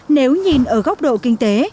nếu nhìn ở góc độ kinh tế